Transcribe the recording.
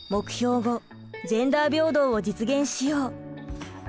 ５「ジェンダー平等を実現しよう」。